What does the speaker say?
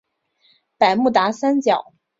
百慕达三角。